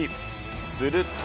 すると。